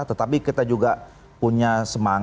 tetapi kita juga punya semangat